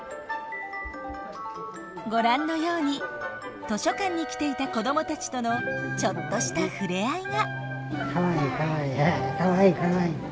ご覧のように図書館に来ていた子どもたちとのちょっとした触れ合いが。